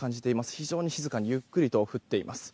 非常に静かにゆっくりと降っています。